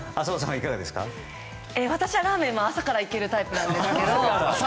私はラーメンは朝からいけるタイプなんですが。